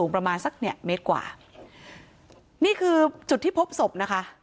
ประมาณสักเนี่ยเมตรกว่านี่คือจุดที่พบศพนะคะ